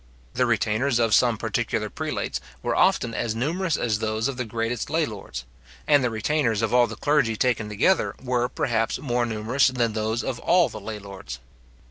The retainers of some particular prelates were often as numerous as those of the greatest lay lords; and the retainers of all the clergy taken together were, perhaps, more numerous than those of all the lay lords.